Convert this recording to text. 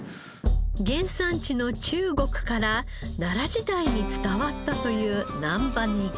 原産地の中国から奈良時代に伝わったという難波ネギ。